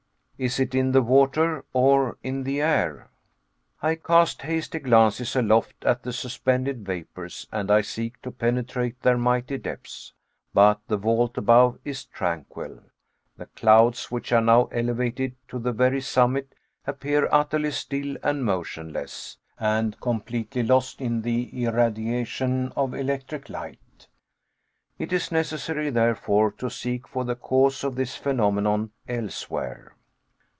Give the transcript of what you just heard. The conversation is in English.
Is it in the water, or in the air? I cast hasty glances aloft at the suspended vapors, and I seek to penetrate their mighty depths. But the vault above is tranquil. The clouds, which are now elevated to the very summit, appear utterly still and motionless, and completely lost in the irradiation of electric light. It is necessary, therefore, to seek for the cause of this phenomenon elsewhere.